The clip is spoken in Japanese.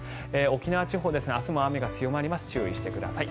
沖縄地方、明日も雨が強まります注意してください。